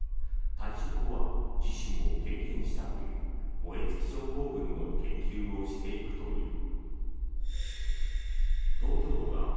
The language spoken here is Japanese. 退職後は自身も経験したという燃え尽き症候群の研究をしていくという。